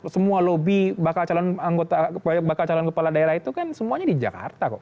semua lobby bakal calon kepala daerah itu kan semuanya di jakarta kok